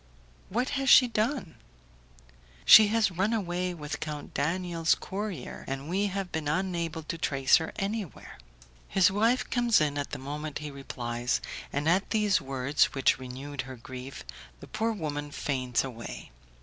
"What has she done?" "She has run away with Count Daniel's courier, and we have been unable to trace her anywhere." His wife comes in at the moment he replies, and at these words, which renewed her grief, the poor woman faints away.